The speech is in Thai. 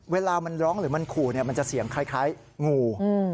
เวลามันร้องหรือมันขู่มันจะเสียงคล้ายงู